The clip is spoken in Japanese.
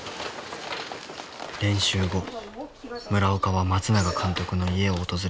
練習後村岡は松永監督の家を訪れた。